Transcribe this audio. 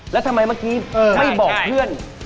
แล้วทำไมเมื่อกี้ไม่บอกเพื่อน